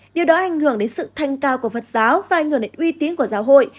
điều đó ảnh hưởng đến sự thanh cao của phật giáo và ảnh hưởng đến uy tín của giáo hội